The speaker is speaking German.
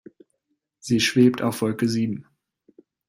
Sie schwebt auf Wolke sieben.